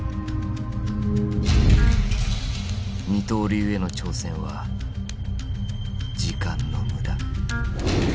二刀流への挑戦は時間のむだ。